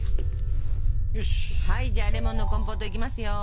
じゃあレモンのコンポートいきますよ。